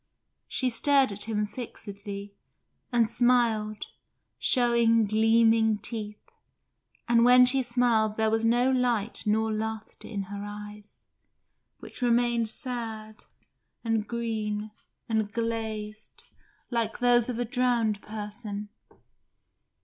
She stared at him fixedly, and smiled, showing gleaming teeth, and when she smiled there was no light nor laughter in her eyes, which remained sad and green and glazed like those of a drowned person.